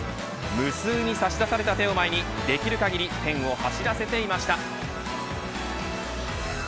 無数に差し出された手を前にできる限りペンを走らせていました。